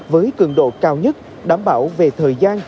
với cường độ cao nhất đảm bảo về thời gian